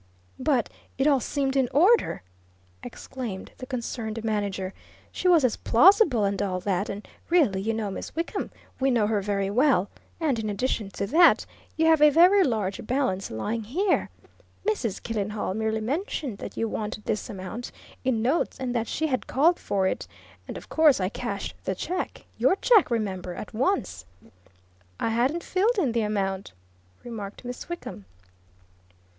"But it all seemed in order!" exclaimed the concerned manager. "She was as plausible, and all that and really, you know, Miss Wickham, we know her very well and, in addition to that, you have a very large balance lying here. Mrs. Killenhall merely mentioned that you wanted this amount, in notes, and that she had called for it and of course, I cashed the check your check, remember! at once." "I hadn't filled in the amount," remarked Miss Wickham.